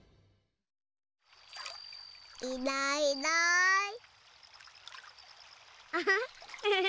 いないいない。